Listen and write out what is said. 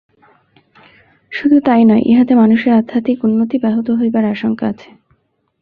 শুধু তাই নয়, ইহাতে মানুষের আধ্যাত্মিক উন্নতি ব্যাহত হইবার আশঙ্কা আছে।